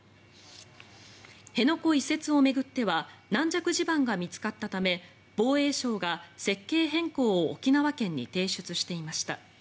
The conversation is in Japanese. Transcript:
辺野古移設を巡っては軟弱地盤が見つかったため防衛省が設計変更を沖縄県へ提出していました。